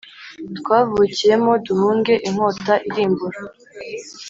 twavukiyemo duhunge inkota irimbura